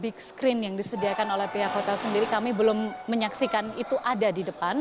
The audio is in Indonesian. big screen yang disediakan oleh pihak hotel sendiri kami belum menyaksikan itu ada di depan